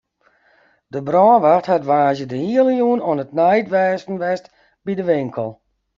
De brânwacht hat woansdei de hiele jûn oan it neidwêsten west by de winkel.